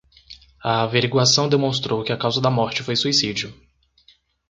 A averiguação demonstrou que a causa da morte foi suicídio